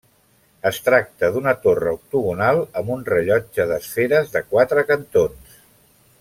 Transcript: Es tracta d'una torre octogonal amb un rellotge d'esferes de quatre cantons.